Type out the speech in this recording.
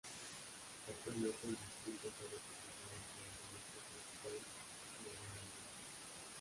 Actualmente el distrito está representado por el Demócrata Tom Malinowski.